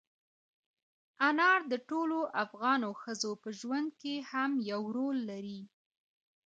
انار د ټولو افغان ښځو په ژوند کې هم یو رول لري.